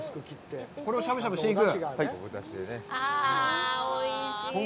これをしゃぶしゃぶしていく？